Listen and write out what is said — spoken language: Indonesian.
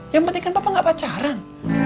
yang penting kan bapak gak pacaran